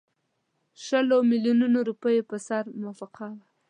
شلو میلیونو روپیو پر سر موافقه وه.